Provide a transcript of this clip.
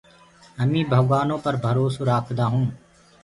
همي ڀگوآنو پر ڀروسو رآکدآ هونٚ۔